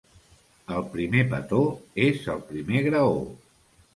El primer petó és el primer graó.